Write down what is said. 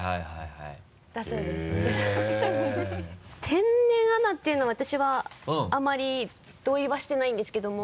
「天然アナ！」っていうの私はあまり同意はしてないんですけども。